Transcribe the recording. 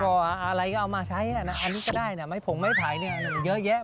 ก็อะไรเอามาใช้อันนี้ก็ได้นะผมไม่ถ่ายเยอะแยะ